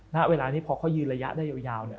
ณเวลานี้พอเขายืนระยะได้ยาวเนี่ย